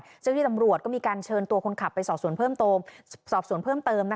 เฉพาะที่ตำรวจก็มีการเชิญตัวคนขับไปสอบสวนเพิ่มเติม